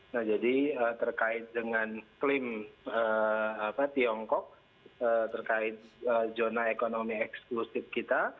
nah jadi terkait dengan klaim tiongkok terkait zona ekonomi eksklusif kita